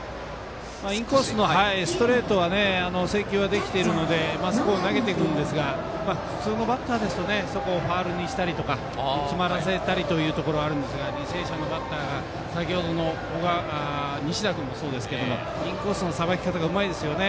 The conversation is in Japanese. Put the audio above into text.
インコースのストレートが制球はできているのでまっすぐ投げているんですが普通のバッターですとそこをファウルにしたりとか詰まらせたりということがあるんですが履正社のバッター西田君もそうですがインコースのさばき方がうまいですよね。